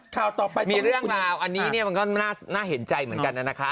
ข่าวต่อไปตรงนี้คุณมีเรื่องราวอันนี้มันก็น่าเห็นใจเหมือนกันนะนะคะ